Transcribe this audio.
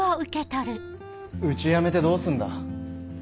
うちやめてどうすんだ？